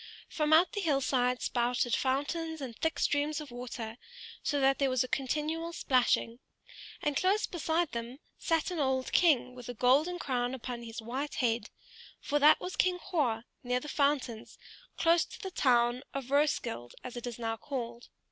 From out the hill side spouted fountains in thick streams of water, so that there was a continual splashing; and close beside them sat an old king with a golden crown upon his white head: that was King Hroar, near the fountains, close to the town of Roeskilde, as it is now called.